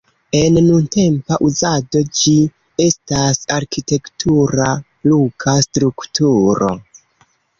En nuntempa uzado ĝi estas arkitektura luka strukturo.